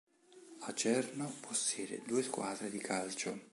Acerno possiede due squadre di calcio.